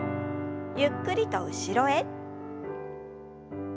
ゆっくりと後ろへ。